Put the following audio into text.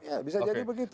ya bisa jadi begitu